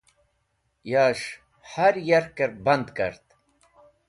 Yash har yarkẽr band kart.